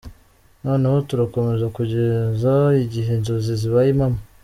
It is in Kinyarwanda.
Noneho turakomeza kugeza igihe inzozi zibaye impamo.